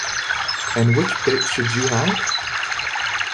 And which bit should you have?